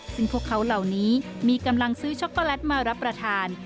ซึ่งพวกเขาเหล่านี้มีกำลังซื้อช็อกโกแลตมารับประทาน